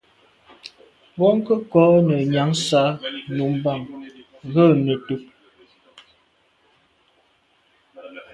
Bwɔ́ŋkə́ʼ kɔ̌ nə̀ nyǎŋsá nú mbàŋ rə̌ nə̀tùp.